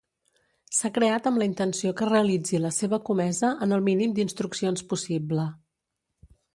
S'ha creat amb la intenció que realitzi la seva comesa en el mínim d'instruccions possible.